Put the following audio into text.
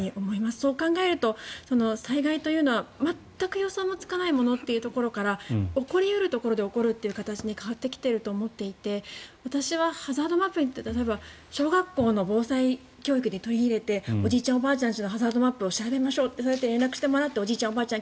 そう考えると災害というのは全く予想もつかないものというところから起こり得るところで起こるという形に変わってきていると思っていて私はハザードマップを例えば、小学校の防災教育で取り入れておじいちゃんおばあちゃんちのハザードマップを調べましょうそうやって連絡してもらっておじいちゃん、おばあちゃん